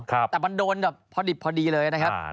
แต่มันโดนแบบพอดิบพอดีเลยนะครับ